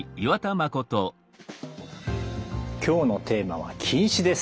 今日のテーマは近視です。